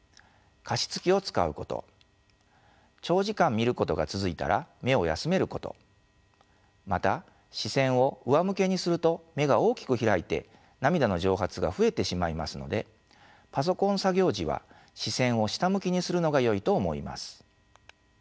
加湿器を使うこと長時間見ることが続いたら目を休めることまた視線を上向けにすると目が大きく開いて涙の蒸発が増えてしまいますのでパソコン作業時は視線を下向きにするのがよいと思います。